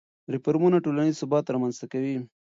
ریفورمونه ټولنیز ثبات رامنځته کوي.